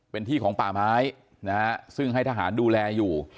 เป็นที่ของป่าไม้นะฮะซึ่งให้ทหารดูแลอยู่